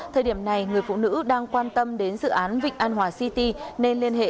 thời điểm này người phụ nữ đang quan tâm đến dự án vịnh an hòa city nên liên hệ